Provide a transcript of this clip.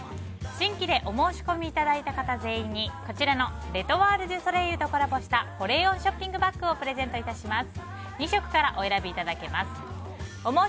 新規でお申し込みいただいた方全員に、こちらのレ・トワール・デュ・ソレイユとコラボした保冷温ショッピングバッグをプレゼント致します。